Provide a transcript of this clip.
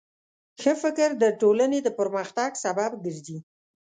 ښه فکر د ټولنې د پرمختګ سبب ګرځي.